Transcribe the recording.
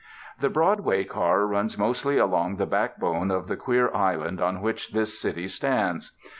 The Broadway car runs mostly along the backbone of the queer island on which this city stands.